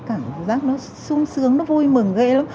cảm giác nó sung sướng nó vui mừng ghê lắm